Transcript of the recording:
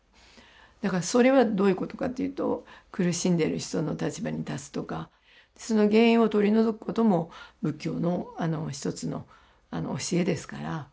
だからそれはどういうことかというと苦しんでる人の立場に立つとかその原因を取り除くことも仏教の一つの教えですから。